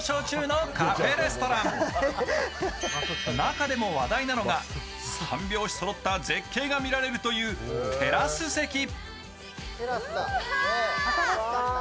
中でも話題なのが三拍子そろった絶景が見られるというテラス席。